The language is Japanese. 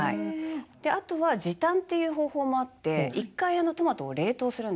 あとは時短っていう方法もあって一回トマトを冷凍するんです。